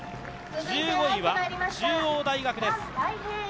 １５位は中央大学です。